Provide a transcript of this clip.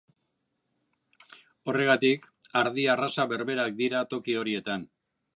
Horregatik, ardi arraza berberak dira toki horietan.